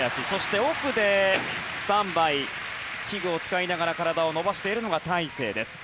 奥でスタンバイ器具を使いながら体を伸ばしているのが大勢。